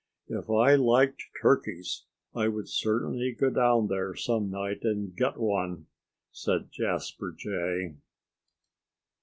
"If I liked turkeys I would certainly go down there some night and get one," said Jasper Jay.